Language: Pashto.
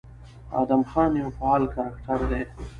ادم خان يو فعال کرکټر دى،